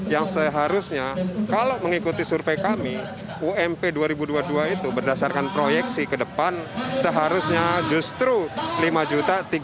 yang seharusnya kalau mengikuti survei kami ump dua ribu dua puluh dua itu berdasarkan proyeksi ke depan seharusnya justru lima tiga ratus